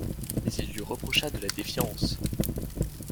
Mais il lui reprocha de la défiance.